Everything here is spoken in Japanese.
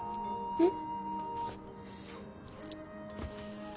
うん。